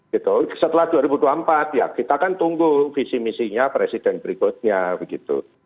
gitu setelah dua ribu dua puluh empat ya kita kan tunggu visi misinya presiden berikutnya begitu